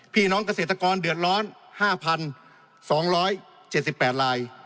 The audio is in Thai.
พี่น้องเกษตรกรเดือดร้อน๕๒๗๘ลาย